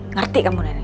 ngerti kamu neneng